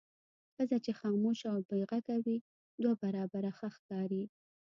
ښځه چې خاموشه او بې غږه وي دوه برابره ښه ښکاري.